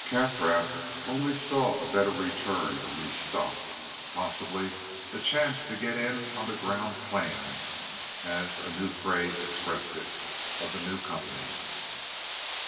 Kaffrath only saw a better return on his stock, possibly a chance to get in on the "ground plan," as a new phrase expressed it, of the new company.